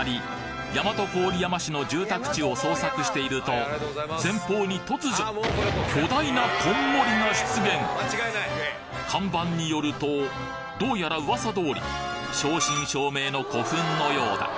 大和郡山市の住宅地を捜索していると前方に突如巨大なこんもりが出現看板によるとどうやら噂通り正真正銘の古墳のようだ